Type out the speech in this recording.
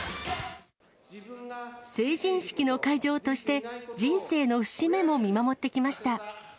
成人式の会場として、人生の節目も見守ってきました。